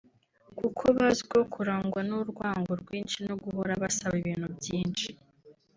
Kuko bazwiho kurangwa n’urwango rwinshi no guhora basaba ibintu byinshi